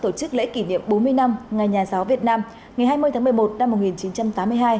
tổ chức lễ kỷ niệm bốn mươi năm ngày nhà giáo việt nam ngày hai mươi tháng một mươi một năm một nghìn chín trăm tám mươi hai